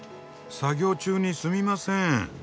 作業中にすみません。